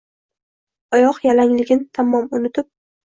Oyoq yalangligin tamom unutib